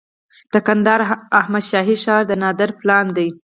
د کندهار احمد شاهي ښار د نادر پلان دی